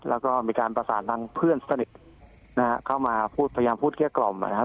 แล้วก็มีการประสานทางเพื่อนสนิทนะฮะเข้ามาพูดพยายามพูดเกลี้ยกล่อมนะครับ